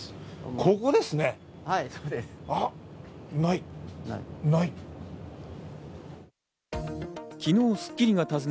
ここですね。